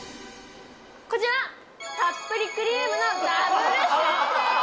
こちらたっぷりクリームのダブルシューでーす！